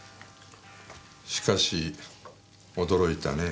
しかし驚いたね。